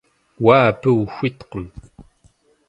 Уэ абы ухуиткъым.